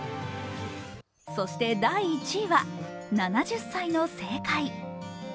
そして第１位は「７０歳の正解」。